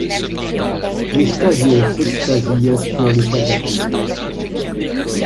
Des stagiaires s'extasient sur les catapultes.